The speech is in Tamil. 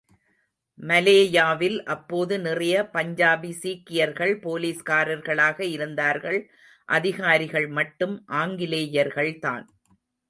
மலேயாவில் அப்போது நிறைய பஞ்சாபி சீக்கியர்கள் போலீஸ்காரர்களாக இருந்தார்கள், அதிகாரிகள் மட்டும் ஆங்கிலேயர்கள்தான்.